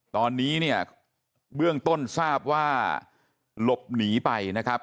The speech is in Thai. ตอนนี้เนี่ยเบื้องต้นทราบว่าหลบหนีไปนะครับ